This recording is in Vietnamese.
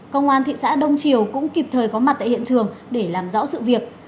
công an thị xã đông triều cũng kịp thời có mặt tại hiện trường để làm rõ sự việc